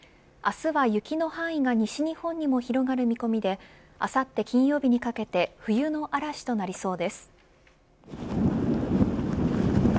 明日は雪の範囲が西日本にも広がる見込みであさって金曜日にかけて冬の嵐となりそうです。